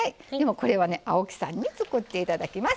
これはね青木さんに作って頂きます。